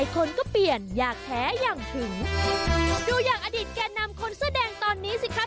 กลับไปตามพร้อมกันครับ